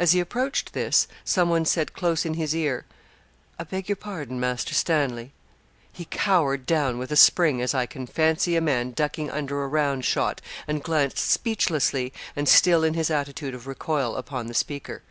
As he approached this, some one said close in his ear, 'I beg your pardon, Master Stanley.' He cowered down with a spring, as I can fancy a man ducking under a round shot, and glanced speechlessly, and still in his attitude of recoil, upon the speaker.